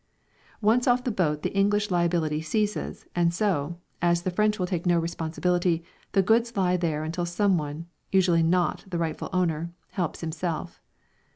Once off the boat the English liability ceases, and so, as the French will take no responsibility, the goods lie there until someone, usually not the rightful owner, helps himself.